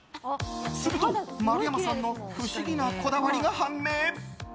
すると、丸山さんの不思議なこだわりが判明。